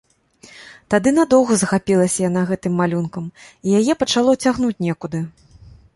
Тады надоўга захапілася яна гэтым малюнкам, і яе пачало цягнуць некуды.